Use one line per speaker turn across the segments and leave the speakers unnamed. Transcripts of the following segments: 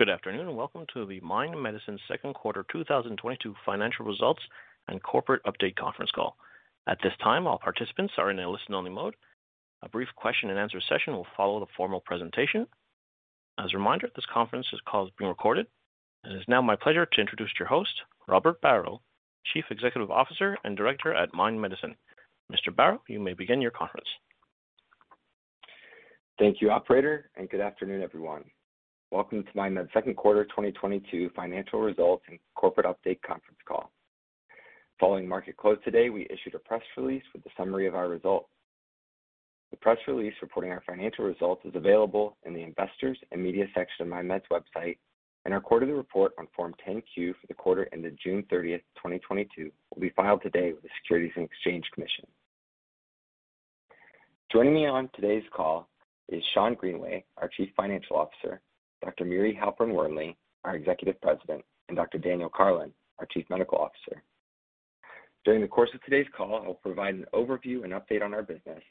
Good afternoon, and welcome to the Mind Medicine second quarter 2022 financial results and corporate update conference call. At this time, all participants are in a listen-only mode. A brief question and answer session will follow the formal presentation. As a reminder, this conference call is being recorded. It is now my pleasure to introduce your host, Robert Barrow, Chief Executive Officer and Director at Mind Medicine. Mr. Barrow, you may begin your conference.
Thank you, operator, and good afternoon, everyone. Welcome to MindMed's second quarter 2022 financial results and corporate update conference call. Following market close today, we issued a press release with a summary of our results. The press release reporting our financial results is available in the Investors and Media section of MindMed's website, and our quarterly report on Form 10-Q for the quarter ended June 30th2022 will be filed today with the Securities and Exchange Commission. Joining me on today's call is Schond Greenway, our Chief Financial Officer, Dr. Miri Halperin Wernli, our Executive President, and Dr. Daniel Carlin, our Chief Medical Officer. During the course of today's call, I'll provide an overview and update on our business.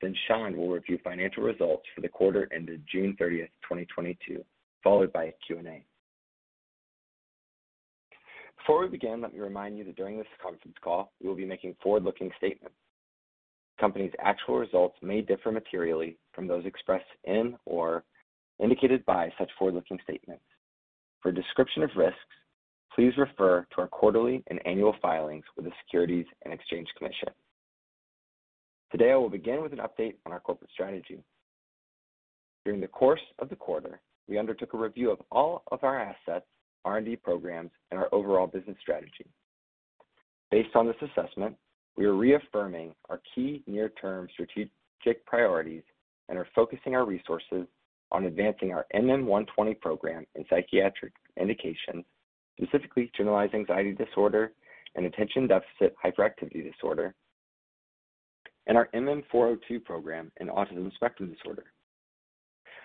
Then Schond will review financial results for the quarter ended June 30th, 2022, followed by a Q&A. Before we begin, let me remind you that during this conference call, we will be making forward-looking statements. The company's actual results may differ materially from those expressed in or indicated by such forward-looking statements. For a description of risks, please refer to our quarterly and annual filings with the Securities and Exchange Commission. Today, I will begin with an update on our corporate strategy. During the course of the quarter, we undertook a review of all of our assets, R&D programs, and our overall business strategy. Based on this assessment, we are reaffirming our key near-term strategic priorities and are focusing our resources on advancing our MM120 program in psychiatric indications, specifically generalized anxiety disorder and attention-deficit hyperactivity disorder, and our MM402 program in autism spectrum disorder.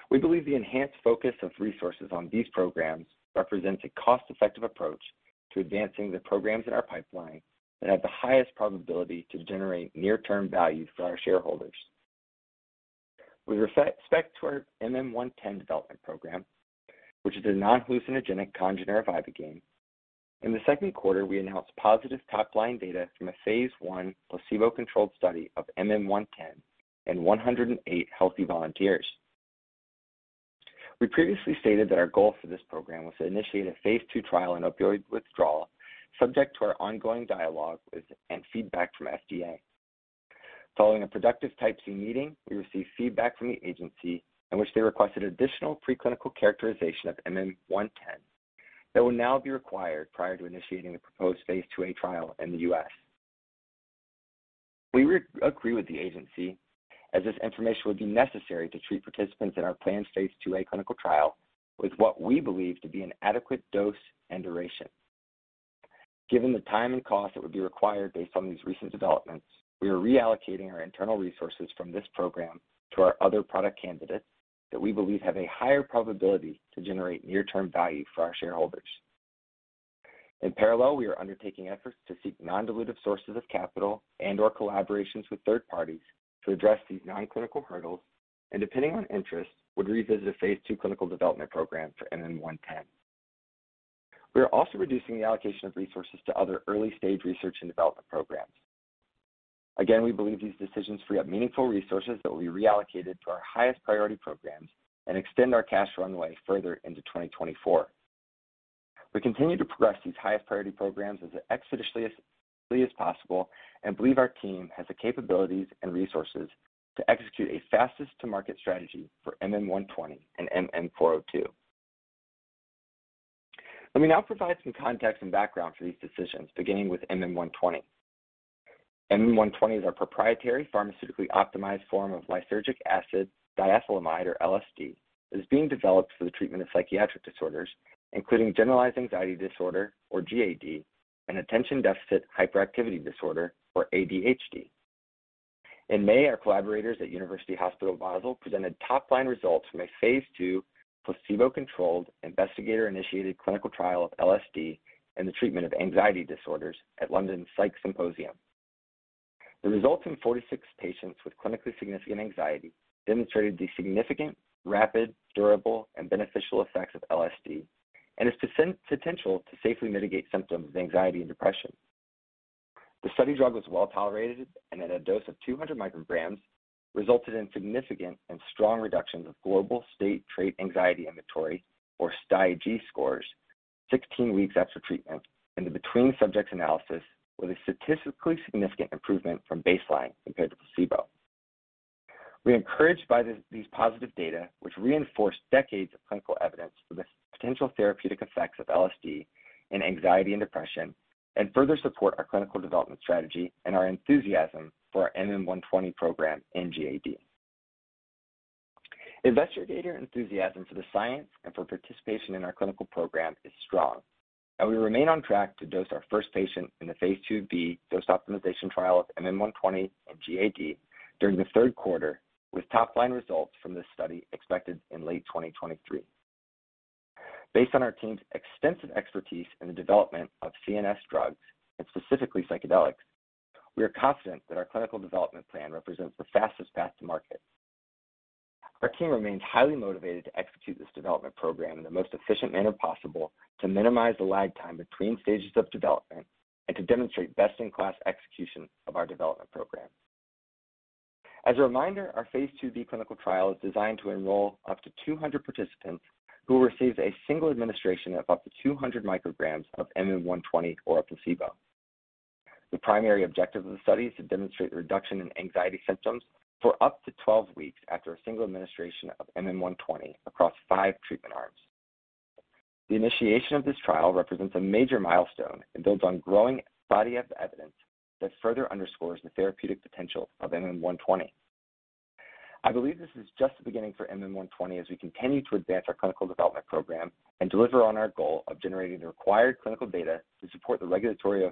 We believe the enhanced focus of resources on these programs represents a cost-effective approach to advancing the programs in our pipeline that have the highest probability to generate near-term value for our shareholders. With respect to our MM-110 development program, which is a non-hallucinogenic congener of ibogaine, in the second quarter, we announced positive top-line data from a phase I placebo-controlled study of MM-110 in 108 healthy volunteers. We previously stated that our goal for this program was to initiate a phase II trial in opioid withdrawal, subject to our ongoing dialogue with and feedback from FDA. Following a productive Type B meeting, we received feedback from the agency in which they requested additional preclinical characterization of MM-110 that will now be required prior to initiating the proposed phase II-A trial in the U.S. We agree with the agency, as this information would be necessary to treat participants in our planned phase II-A clinical trial with what we believe to be an adequate dose and duration. Given the time and cost that would be required based on these recent developments, we are reallocating our internal resources from this program to our other product candidates that we believe have a higher probability to generate near-term value for our shareholders. In parallel, we are undertaking efforts to seek non-dilutive sources of capital and/or collaborations with third parties to address these non-clinical hurdles, and depending on interest, would revisit a phase II clinical development program for MM-110. We are also reducing the allocation of resources to other early-stage research and development programs. Again, we believe these decisions free up meaningful resources that will be reallocated to our highest priority programs and extend our cash runway further into 2024. We continue to progress these highest priority programs as expeditiously as possible and believe our team has the capabilities and resources to execute a fastest to market strategy for MM120 and MM402. Let me now provide some context and background for these decisions, beginning with MM120. MM120 is our proprietary pharmaceutically optimized form of lysergic acid diethylamide or LSD that is being developed for the treatment of psychiatric disorders, including generalized anxiety disorder or GAD and attention-deficit hyperactivity disorder or ADHD. In May, our collaborators at University Hospital Basel presented top-line results from a phase II placebo-controlled investigator-initiated clinical trial of LSD in the treatment of anxiety disorders at PSYCH Symposium. The results in 46 patients with clinically significant anxiety demonstrated the significant, rapid, durable, and beneficial effects of LSD and its potential to safely mitigate symptoms of anxiety and depression. The study drug was well tolerated and at a dose of 200 mcg resulted in significant and strong reductions of Global State-Trait Anxiety Inventory or STAI-G scores 16 weeks after treatment in the between-subjects analysis with a statistically significant improvement from baseline compared to placebo. We are encouraged by these positive data, which reinforce decades of clinical evidence for the potential therapeutic effects of LSD in anxiety and depression and further support our clinical development strategy and our enthusiasm for our MM120 program in GAD. Investigator enthusiasm for the science and for participation in our clinical program is strong, and we remain on track to dose our first patient in the phase II-B dose optimization trial of MM120 in GAD during the third quarter, with top-line results from this study expected in late 2023. Based on our team's extensive expertise in the development of CNS drugs, and specifically psychedelics. We are confident that our clinical development plan represents the fastest path to market. Our team remains highly motivated to execute this development program in the most efficient manner possible to minimize the lag time between stages of development and to demonstrate best-in-class execution of our development program. As a reminder, our phase II-B clinical trial is designed to enroll up to 200 participants who will receive a single administration of up to 200 mcg of MM120 or a placebo. The primary objective of the study is to demonstrate reduction in anxiety symptoms for up to 12 weeks after a single administration of MM120 across five treatment arms. The initiation of this trial represents a major milestone and builds on growing body of evidence that further underscores the therapeutic potential of MM120. I believe this is just the beginning for MM120 as we continue to advance our clinical development program and deliver on our goal of generating the required clinical data to support the regulatory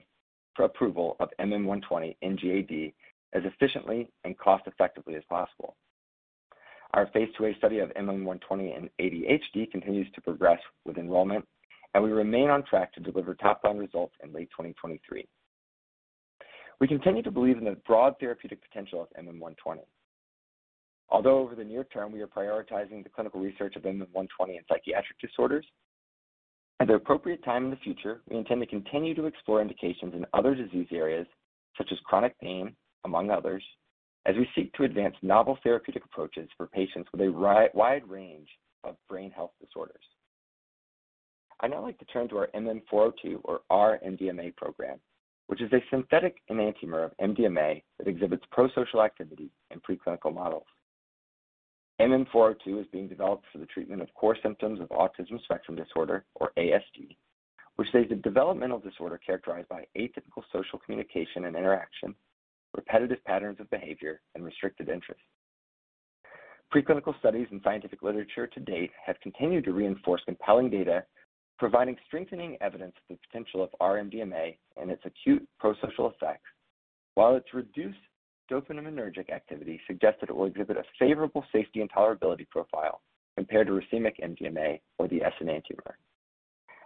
approval of MM120 in GAD as efficiently and cost-effectively as possible. Our phase II-A study of MM120 in ADHD continues to progress with enrollment, and we remain on track to deliver top-line results in late 2023. We continue to believe in the broad therapeutic potential of MM120. Although over the near term, we are prioritizing the clinical research of MM120 in psychiatric disorders. At the appropriate time in the future, we intend to continue to explore indications in other disease areas, such as chronic pain, among others, as we seek to advance novel therapeutic approaches for patients with a wide range of brain health disorders. I'd now like to turn to our MM402 or R-MDMA program, which is a synthetic enantiomer of MDMA that exhibits prosocial activity in preclinical models. MM402 is being developed for the treatment of core symptoms of autism spectrum disorder, or ASD, which is a developmental disorder characterized by atypical social communication and interaction, repetitive patterns of behavior, and restricted interest. Preclinical studies and scientific literature to date have continued to reinforce compelling data, providing strengthening evidence of the potential of R-MDMA and its acute prosocial effects, while its reduced dopaminergic activity suggests that it will exhibit a favorable safety and tolerability profile compared to racemic MDMA or the S enantiomer.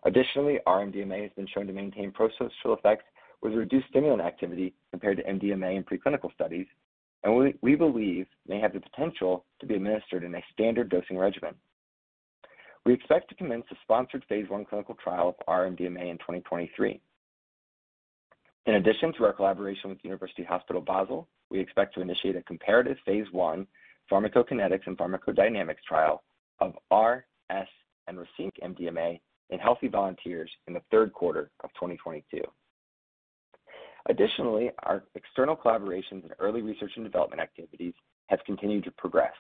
Additionally, R-MDMA has been shown to maintain prosocial effects with reduced stimulant activity compared to MDMA in preclinical studies, and we believe may have the potential to be administered in a standard dosing regimen. We expect to commence a sponsored phase I clinical trial of R-MDMA in 2023. In addition to our collaboration with University Hospital Basel, we expect to initiate a comparative phase I pharmacokinetics and pharmacodynamics trial of R, S, and racemic MDMA in healthy volunteers in the third quarter of 2022. Additionally, our external collaborations and early research and development activities have continued to progress,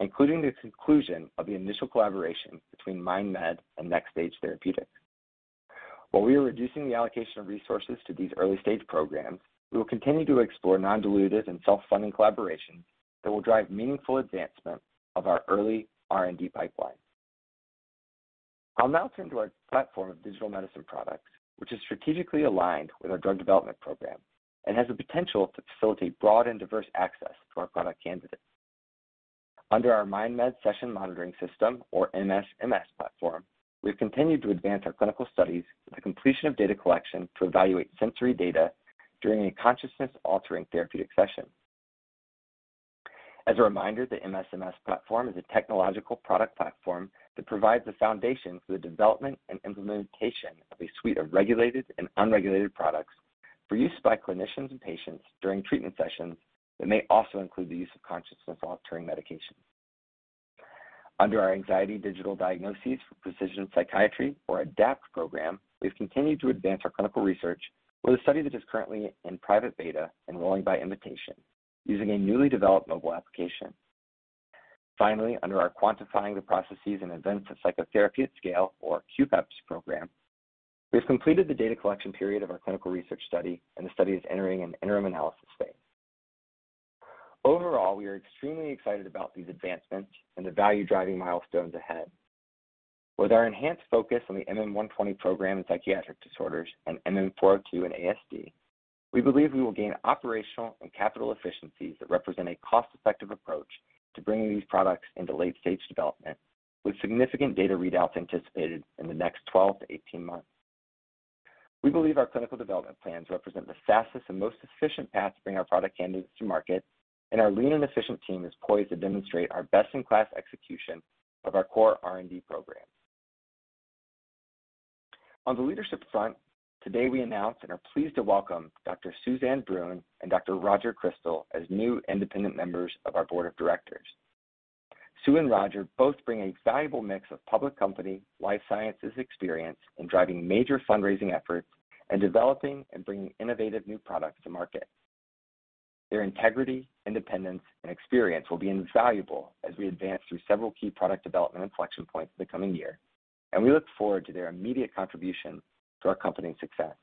including the conclusion of the initial collaboration between MindMed and Nextage Therapeutics. While we are reducing the allocation of resources to these early-stage programs, we will continue to explore non-dilutive and self-funding collaborations that will drive meaningful advancement of our early R&D pipeline. I'll now turn to our platform of digital medicine products, which is strategically aligned with our drug development program and has the potential to facilitate broad and diverse access to our product candidates. Under our MindMed Session Monitoring System, or MSMS platform, we've continued to advance our clinical studies with the completion of data collection to evaluate sensory data during a consciousness-altering therapeutic session. As a reminder, the MSMS platform is a technological product platform that provides the foundation for the development and implementation of a suite of regulated and unregulated products for use by clinicians and patients during treatment sessions that may also include the use of consciousness-altering medications. Under our Anxiety Digital Diagnostics for Precision Psychiatry, or ADAPT program, we've continued to advance our clinical research with a study that is currently in private beta, enrolling by invitation using a newly developed mobile application. Finally, under our Quantifying the Processes and Events of Psychotherapy at Scale, or QPEPS program, we've completed the data collection period of our clinical research study, and the study is entering an interim analysis phase. Overall, we are extremely excited about these advancements and the value-driving milestones ahead. With our enhanced focus on the MM120 program in psychiatric disorders and MM402 in ASD, we believe we will gain operational and capital efficiencies that represent a cost-effective approach to bringing these products into late-stage development with significant data readouts anticipated in the next 12-18 months. We believe our clinical development plans represent the fastest and most efficient path to bring our product candidates to market, and our lean and efficient team is poised to demonstrate our best-in-class execution of our core R&D programs. On the leadership front, today we announced and are pleased to welcome Dr. Suzanne Bruhn and Dr. Roger Crystal as new independent members of our board of directors. Sue and Roger both bring a valuable mix of public company life sciences experience in driving major fundraising efforts and developing and bringing innovative new products to market. Their integrity, independence, and experience will be invaluable as we advance through several key product development inflection points in the coming year, and we look forward to their immediate contribution to our company's success.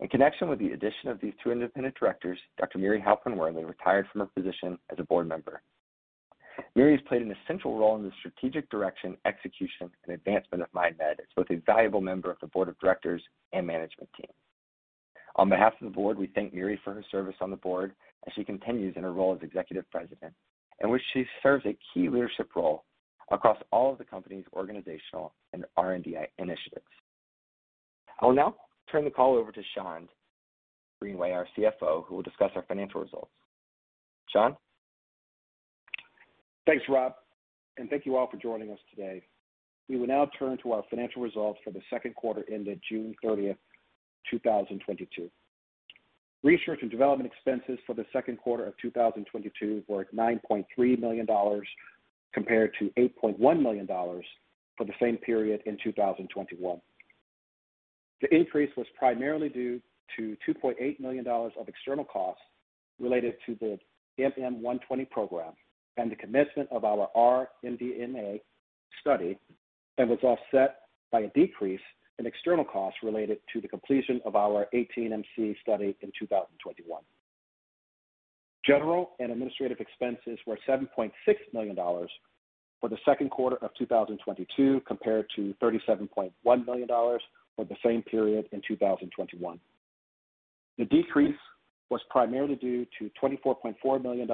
In connection with the addition of these two independent directors, Dr. Miri Halperin Wernli retired from her position as a board member. Miri has played an essential role in the strategic direction, execution, and advancement of MindMed as both a valuable member of the board of directors and management team. On behalf of the board, we thank Miri for her service on the board as she continues in her role as executive president, in which she serves a key leadership role across all of the company's organizational and R&D initiatives. I will now turn the call over to Schond Greenway, our CFO, who will discuss our financial results. Schond?
Thanks, Rob, and thank you all for joining us today. We will now turn to our financial results for the second quarter ended June 30th, 2022. Research and development expenses for the second quarter of 2022 were $9.3 million compared to $8.1 million for the same period in 2021. The increase was primarily due to $2.8 million of external costs related to the MM120 program and the commencement of our R-MDMA study, and was offset by a decrease in external costs related to the completion of our 18-MC study in 2021. General and administrative expenses were $7.6 million for the second quarter of 2022 compared to $37.1 million for the same period in 2021. The decrease was primarily due to $24.4 million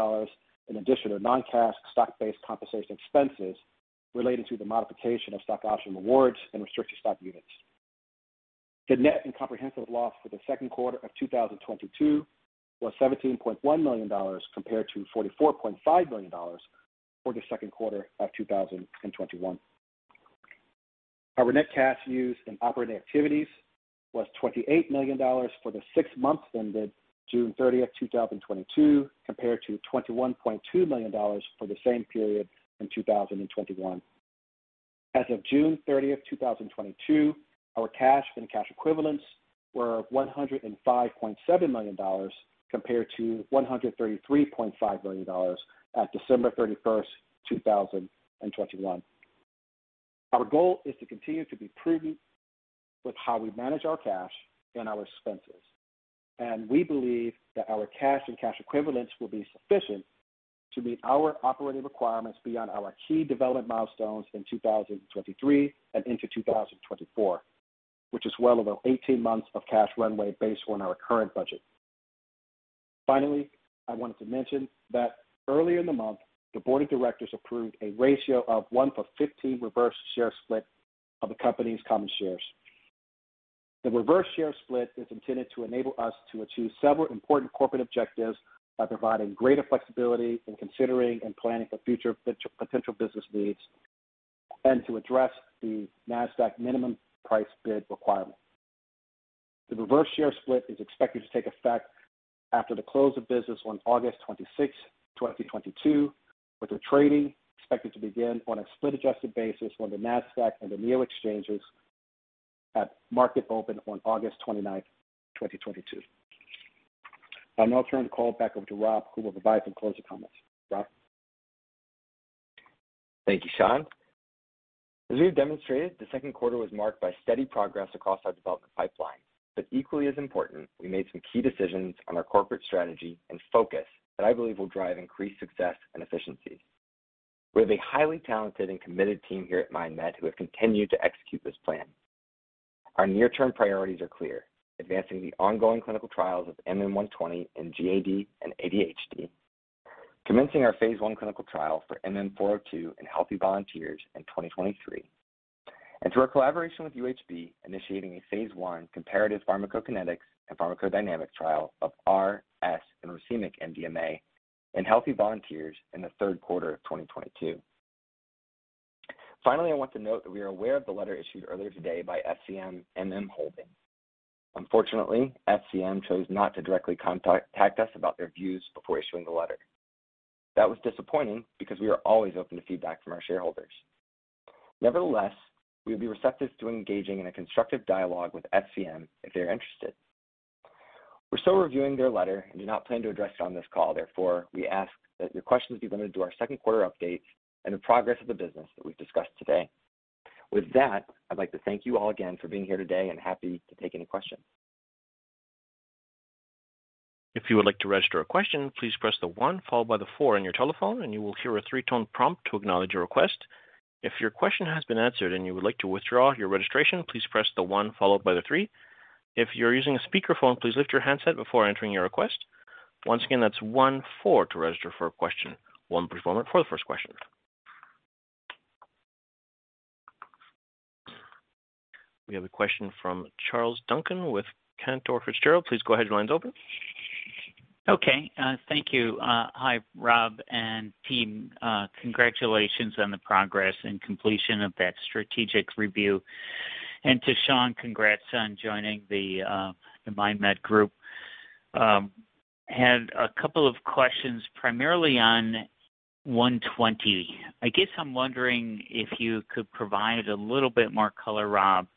in addition to non-cash stock-based compensation expenses related to the modification of stock option awards and restricted stock units. The net comprehensive loss for the second quarter of 2022 was $17.1 million compared to $44.5 million for the second quarter of 2021. Our net cash used in operating activities was $28 million for the six months ended June 30th, 2022, compared to $21.2 million for the same period in 2021. As of June 30th, 2022, our cash and cash equivalents were $105.7 million compared to $133.5 million at December 31st, 2021. Our goal is to continue to be prudent with how we manage our cash and our expenses, and we believe that our cash and cash equivalents will be sufficient to meet our operating requirements beyond our key development milestones in 2023 and into 2024, which is well over 18 months of cash runway based on our current budget. Finally, I wanted to mention that earlier in the month, the board of directors approved a ratio of 1:15 reverse share split of the company's common shares. The reverse share split is intended to enable us to achieve several important corporate objectives by providing greater flexibility in considering and planning for future potential business needs and to address the Nasdaq minimum price bid requirement. The reverse share split is expected to take effect after the close of business on August 26th, 2022, with the trading expected to begin on a split-adjusted basis on the Nasdaq and the NEO Exchange at market open on August 29th, 2022. I'll now turn the call back over to Rob, who will provide some closing comments. Rob?
Thank you, Schond. As we have demonstrated, the second quarter was marked by steady progress across our development pipeline, but equally as important, we made some key decisions on our corporate strategy and focus that I believe will drive increased success and efficiency. We have a highly talented and committed team here at MindMed who have continued to execute this plan. Our near-term priorities are clear. Advancing the ongoing clinical trials of MM120 in GAD and ADHD, commencing our phase I clinical trial for MM402 in healthy volunteers in 2023. Through our collaboration with UHB, initiating a phase I comparative pharmacokinetics and pharmacodynamics trial of R, S, and racemic MDMA in healthy volunteers in the third quarter of 2022. Finally, I want to note that we are aware of the letter issued earlier today by SCM MM Holdings. Unfortunately, SCM chose not to directly contact us about their views before issuing the letter. That was disappointing because we are always open to feedback from our shareholders. Nevertheless, we would be receptive to engaging in a constructive dialogue with SCM if they are interested. We're still reviewing their letter and do not plan to address it on this call. Therefore, we ask that your questions be limited to our second quarter update and the progress of the business that we've discussed today. With that, I'd like to thank you all again for being here today and happy to take any questions.
If you would like to register a question, please press the one followed by the four on your telephone, and you will hear a three-tone prompt to acknowledge your request. If your question has been answered and you would like to withdraw your registration, please press the one followed by the three. If you're using a speakerphone, please lift your handset before entering your request. Once again, that's one, four to register for a question. One, four for the first question. We have a question from Charles Duncan with Cantor Fitzgerald. Please go ahead. Your line's open.
Okay. Thank you. Hi, Rob and team. Congratulations on the progress and completion of that strategic review. To Schond, congrats on joining the MindMed group. Had a couple of questions, primarily on 120. I guess I'm wondering if you could provide a little bit more color, Rob,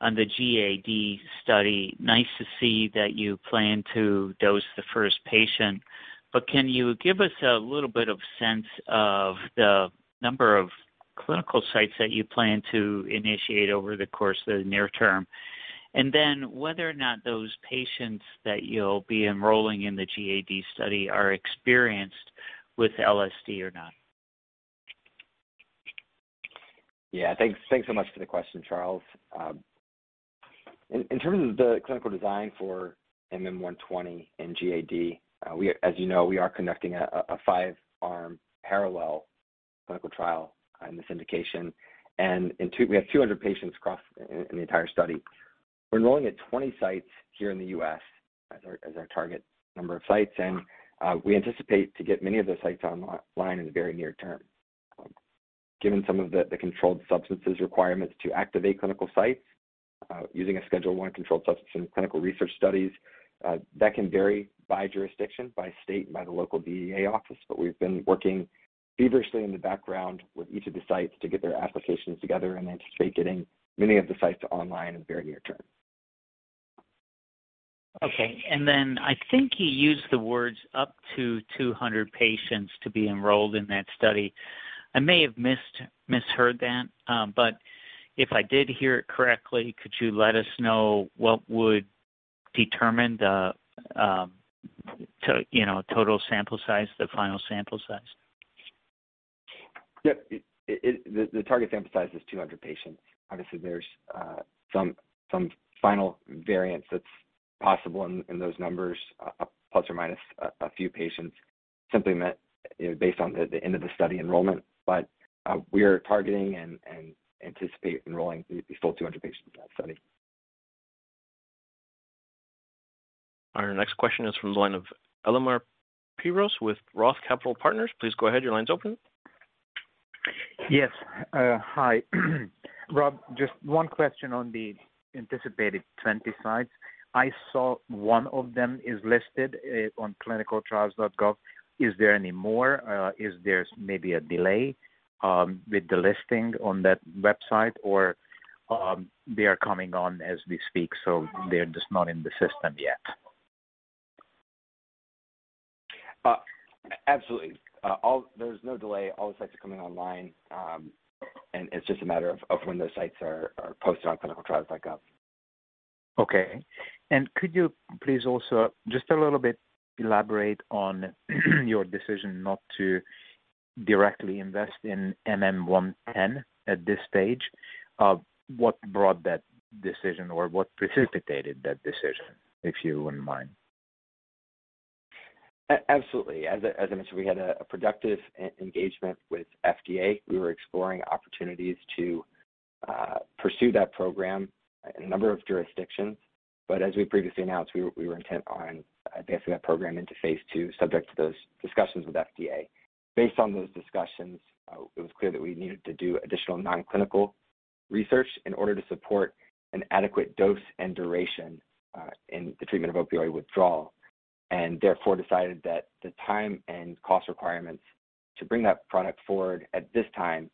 on the GAD study. Nice to see that you plan to dose the first patient, but can you give us a little bit of sense of the number of clinical sites that you plan to initiate over the course of the near term? Then whether or not those patients that you'll be enrolling in the GAD study are experienced with LSD or not.
Yeah. Thanks so much for the question, Charles. In terms of the clinical design for MM120 in GAD, as you know, we are conducting a five-arm parallel clinical trial on this indication. We have 200 patients across in the entire study. We're enrolling at 20 sites here in the U.S. as our target number of sites, and we anticipate to get many of those sites online in the very near term. Given some of the controlled substances requirements to activate clinical sites, using a Schedule I controlled substance in clinical research studies, that can vary by jurisdiction, by state, and by the local DEA office. We've been working feverishly in the background with each of the sites to get their applications together, and anticipate getting many of the sites to go online in the very near term.
Okay. I think you used the words up to 200 patients to be enrolled in that study. I may have misheard that, but if I did hear it correctly, could you let us know what would determine the, you know, total sample size, the final sample size?
The target sample size is 200 patients. Obviously, there's some final variance that's possible in those numbers, plus or minus a few patients simply meant, you know, based on the end of the study enrollment. We are targeting and anticipate enrolling the full 200 patients in that study.
Our next question is from the line of Elemer Piros with Roth Capital Partners. Please go ahead. Your line's open.
Yes. Hi. Rob, just one question on the anticipated 20 sites. I saw one of them is listed on ClinicalTrials.gov. Is there any more? Is there maybe a delay with the listing on that website? They are coming on as we speak, so they're just not in the system yet?
Absolutely. There's no delay. All the sites are coming online, and it's just a matter of when those sites are posted on ClinicalTrials.gov.
Okay. Could you please also just a little bit elaborate on your decision not to directly invest in MM110 at this stage? What brought that decision or what precipitated that decision, if you wouldn't mind?
Absolutely. As I mentioned, we had a productive engagement with FDA. We were exploring opportunities to pursue that program in a number of jurisdictions. As we previously announced, we were intent on advancing that program into phase II, subject to those discussions with FDA. Based on those discussions, it was clear that we needed to do additional non-clinical research in order to support an adequate dose and duration in the treatment of opioid withdrawal, and therefore decided that the time and cost requirements to bring that product forward at this time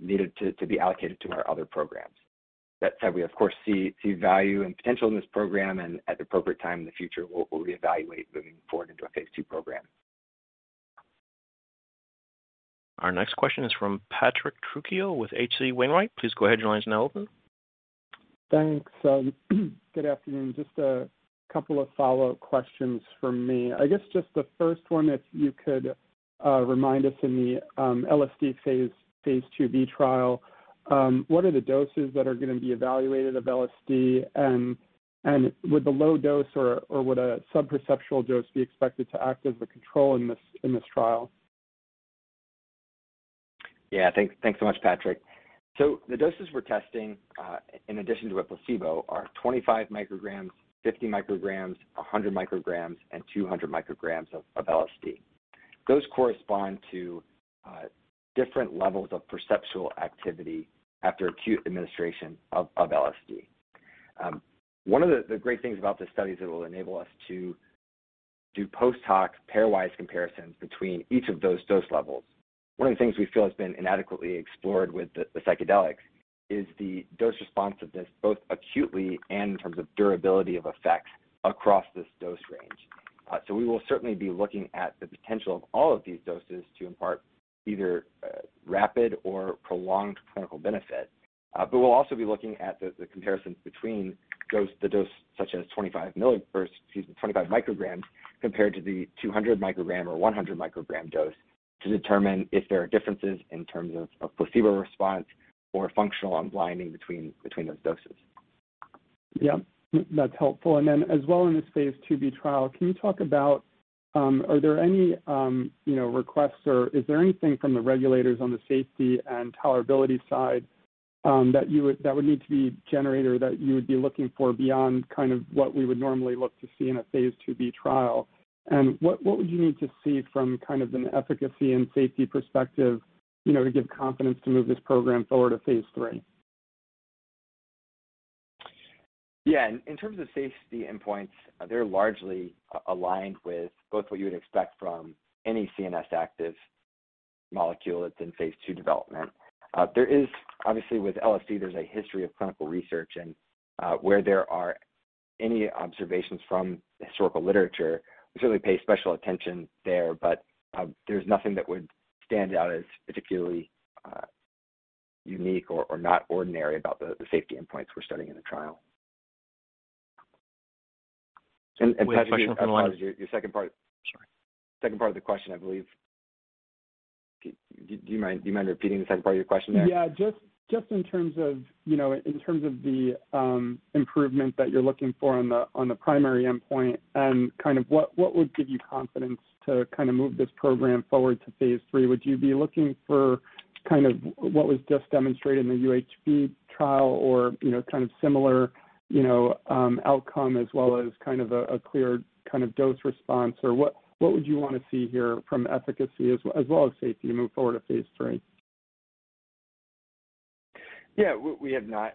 needed to be allocated to our other programs. That said, we of course see value and potential in this program, and at the appropriate time in the future, we'll reevaluate moving forward into a phase II program.
Our next question is from Patrick Trucchio with H.C. Wainwright. Please go ahead. Your line is now open.
Thanks. Good afternoon. Just a couple of follow-up questions from me. I guess just the first one, if you could, remind us in the LSD phase II-B trial, what are the doses that are gonna be evaluated of LSD? And would the low dose or would a sub-perceptual dose be expected to act as the control in this trial?
Yeah. Thanks so much, Patrick. The doses we're testing in addition to a placebo are 25 mcg, 50 mcg, 100 mcg, and 200 mcg of LSD. Those correspond to different levels of perceptual activity after acute administration of LSD. One of the great things about this study is it'll enable us to do post hoc pairwise comparisons between each of those dose levels. One of the things we feel has been inadequately explored with the psychedelics is the dose response of this, both acutely and in terms of durability of effect across this dose range. We will certainly be looking at the potential of all of these doses to impart either rapid or prolonged clinical benefit. We'll also be looking at the comparisons between the dose such as 25 mcg compared to the 200 mcg or 100 mcg dose to determine if there are differences in terms of a placebo response or functional unblinding between those doses.
Yeah. That's helpful. As well in this phase II-B trial, can you talk about, are there any, you know, requests or is there anything from the regulators on the safety and tolerability side, that would need to be generated or that you would be looking for beyond kind of what we would normally look to see in a phase II-B trial? What would you need to see from kind of an efficacy and safety perspective, you know, to give confidence to move this program forward to phase III?
Yeah. In terms of safety endpoints, they're largely aligned with both what you would expect from any CNS active molecule that's in phase II development. There is obviously, with LSD, there's a history of clinical research and where there are any observations from the historical literature, we certainly pay special attention there. But there's nothing that would stand out as particularly unique or not ordinary about the safety endpoints we're studying in the trial. Patrick, I apologize. Your second part-
Sorry.
Second part of the question, I believe. Do you mind repeating the second part of your question there?
Yeah. Just in terms of the improvement that you're looking for on the primary endpoint and kind of what would give you confidence to move this program forward to phase III? Would you be looking for kind of what was just demonstrated in the UHB trial or, you know, kind of similar, you know, outcome as well as kind of a clear dose response? Or what would you wanna see here from efficacy as well as safety to move forward to phase III?
Yeah. We have not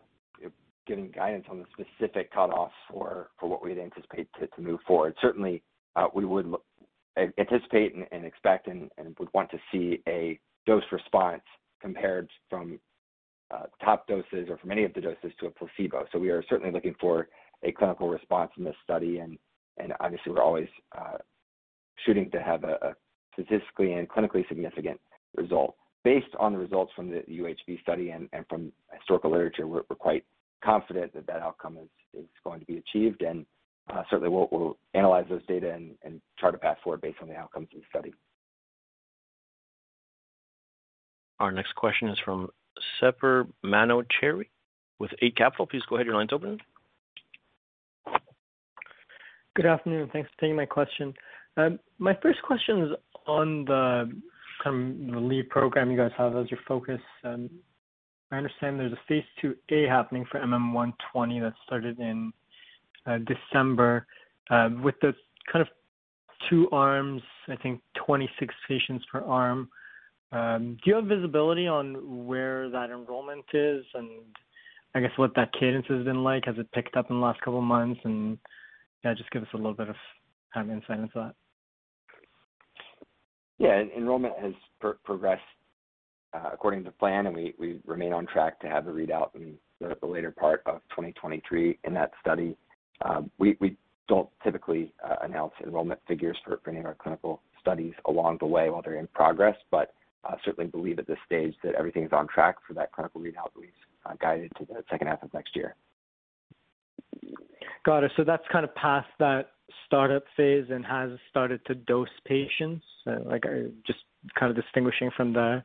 given guidance on the specific cutoffs for what we'd anticipate to move forward. Certainly, we would anticipate and expect and would want to see a dose response compared from top doses or from any of the doses to a placebo. We are certainly looking for a clinical response in this study and obviously we're always shooting to have a statistically and clinically significant result. Based on the results from the UHB study and from historical literature, we're quite confident that outcome is going to be achieved. Certainly we'll analyze those data and chart a path forward based on the outcomes of the study.
Our next question is from Sepehr Manochehri with Eight Capital. Please go ahead, your line's open.
Good afternoon, and thanks for taking my question. My first question is on the kind of the lead program you guys have as your focus. I understand there's a phase II-A happening for MM120 that started in December with the kind of two arms, I think 26 patients per arm. Do you have visibility on where that enrollment is and I guess what that cadence has been like? Has it picked up in the last couple of months? Yeah, just give us a little bit of insight into that.
Yeah. Enrollment has progressed according to plan, and we remain on track to have the readout in the later part of 2023 in that study. We don't typically announce enrollment figures for any of our clinical studies along the way while they're in progress, but certainly believe at this stage that everything's on track for that clinical readout we've guided to the second half of next year.
Got it. That's kinda past that startup phase and has started to dose patients. Like just kind of distinguishing from the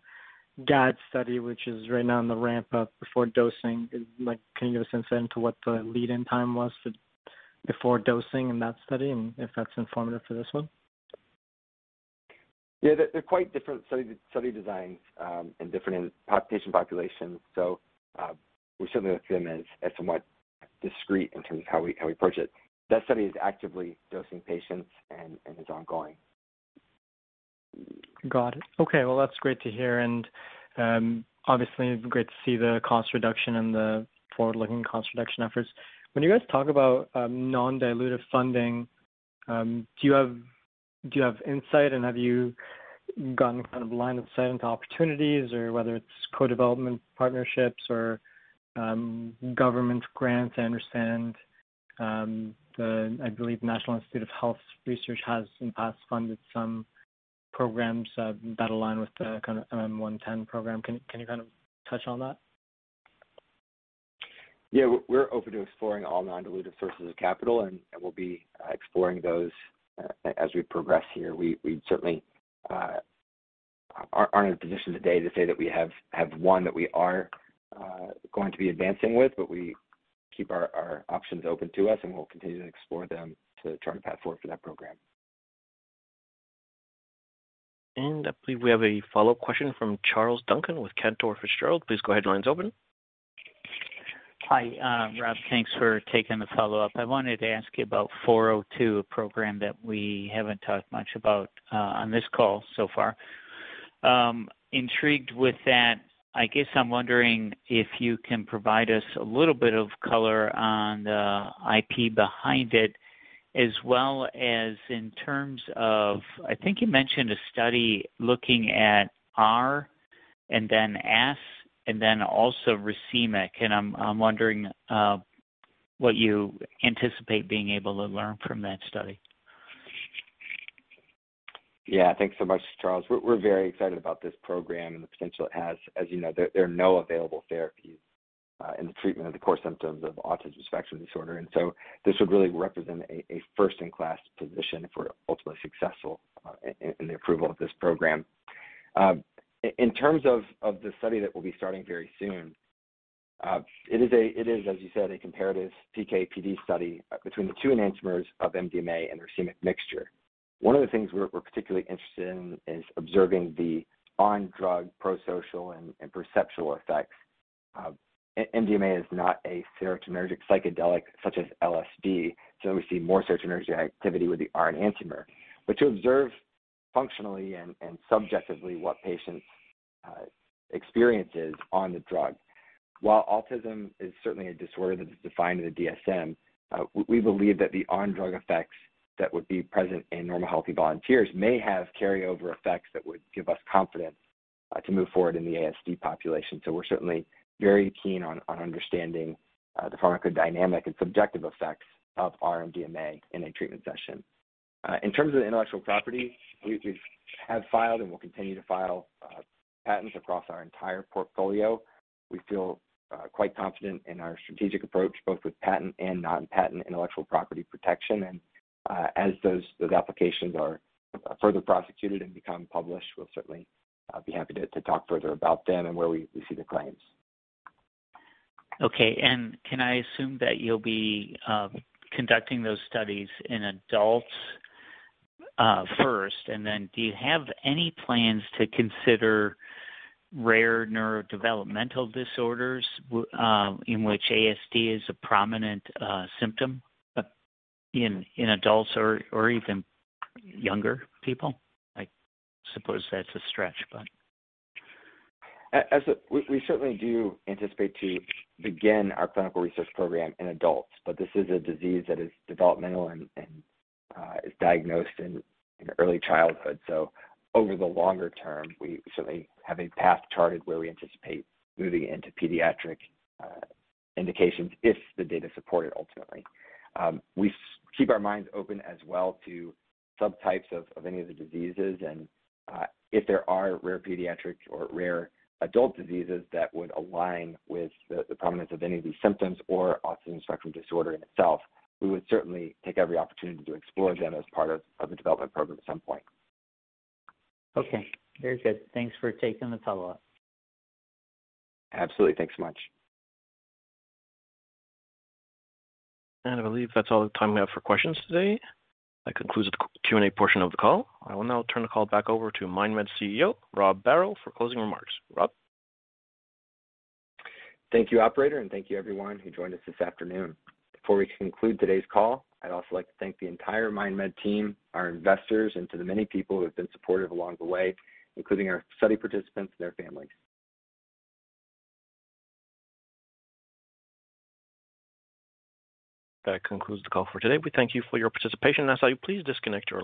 GAD study, which is right now in the ramp-up before dosing. Like, can you give us insight into what the lead-in time was for before dosing in that study and if that's informative for this one?
Yeah. They're quite different study designs and different in populations. We certainly look to them as somewhat discrete in terms of how we approach it. That study is actively dosing patients and is ongoing.
Got it. Okay, well, that's great to hear. Obviously great to see the cost reduction and the forward-looking cost reduction efforts. When you guys talk about non-dilutive funding, do you have insight and have you gotten kind of line of sight into opportunities or whether it's co-development partnerships or government grants? I understand the National Institutes of Health has in the past funded some programs that align with the kind of MM110 program. Can you kind of touch on that?
Yeah. We're open to exploring all non-dilutive sources of capital, and we'll be exploring those as we progress here. We certainly aren't in a position today to say that we have one that we are going to be advancing with, but we keep our options open to us, and we'll continue to explore them to chart a path forward for that program.
I believe we have a follow-up question from Charles Duncan with Cantor Fitzgerald. Please go ahead. Line's open.
Hi, Rob. Thanks for taking the follow-up. I wanted to ask you about 402, a program that we haven't talked much about on this call so far. Intrigued with that, I guess I'm wondering if you can provide us a little bit of color on the IP behind it, as well as in terms of, I think you mentioned a study looking at R and then S and then also racemic, and I'm wondering what you anticipate being able to learn from that study.
Yeah. Thanks so much, Charles. We're very excited about this program and the potential it has. As you know, there are no available therapies in the treatment of the core symptoms of Autism Spectrum Disorder. This would really represent a first-in-class position if we're ultimately successful in the approval of this program. In terms of the study that we'll be starting very soon, it is, as you said, a comparative PK/PD study between the two enantiomers of MDMA and racemic mixture. One of the things we're particularly interested in is observing the on-drug prosocial and perceptual effects. MDMA is not a serotonergic psychedelic such as LSD, so we see more serotonergic activity with the R enantiomer. To observe functionally and subjectively what patients experiences on the drug. While autism is certainly a disorder that is defined in the DSM, we believe that the on-drug effects that would be present in normal, healthy volunteers may have carryover effects that would give us confidence to move forward in the ASD population. We're certainly very keen on understanding the pharmacodynamic and subjective effects of R-MDMA in a treatment session. In terms of the intellectual property, we have filed and will continue to file patents across our entire portfolio. We feel quite confident in our strategic approach, both with patent and non-patent intellectual property protection. As those applications are further prosecuted and become published, we'll certainly be happy to talk further about them and where we see the claims.
Okay. Can I assume that you'll be conducting those studies in adults first? Do you have any plans to consider rare neurodevelopmental disorders in which ASD is a prominent symptom in adults or even younger people? I suppose that's a stretch.
We certainly do anticipate to begin our clinical research program in adults. This is a disease that is developmental and is diagnosed in early childhood. Over the longer term, we certainly have a path charted where we anticipate moving into pediatric indications if the data support it ultimately. We keep our minds open as well to subtypes of any of the diseases and if there are rare pediatric or rare adult diseases that would align with the prominence of any of these symptoms or Autism Spectrum Disorder in itself, we would certainly take every opportunity to explore them as part of the development program at some point.
Okay. Very good. Thanks for taking the follow-up.
Absolutely. Thanks so much.
I believe that's all the time we have for questions today. That concludes the Q&A portion of the call. I will now turn the call back over to MindMed's CEO, Rob Barrow, for closing remarks. Rob?
Thank you, operator, and thank you everyone who joined us this afternoon. Before we conclude today's call, I'd also like to thank the entire MindMed team, our investors, and to the many people who have been supportive along the way, including our study participants and their families.
That concludes the call for today. We thank you for your participation. I ask that you please disconnect your line.